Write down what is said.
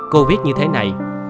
cô viết như thế này